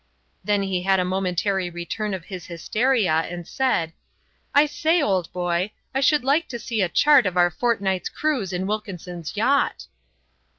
Then he had a momentary return of his hysteria and said: "I say, old boy, I should like to see a chart of our fortnight's cruise in Wilkinson's yacht."